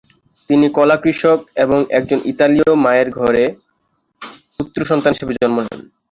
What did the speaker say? তিনি কলা কৃষক এবং একজন ইতালীয় মায়ের ঘরে পুত্র সন্তান হিসেবে জন্ম নেন।